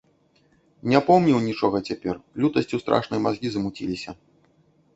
Не помніў нічога цяпер, лютасцю страшнай мазгі замуціліся.